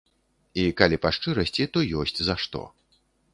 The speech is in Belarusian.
І калі па шчырасці, то ёсць за што.